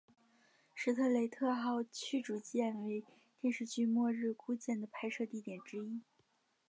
史特雷特号驱逐舰为电视剧末日孤舰的拍摄地点之一